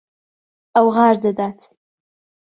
ئەو غار دەدات.